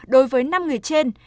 đối với năm người trên